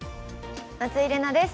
松井玲奈です。